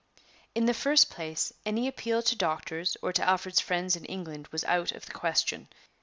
In the first place, any appeal to doctors or to Alfred's friends in England was out of the question.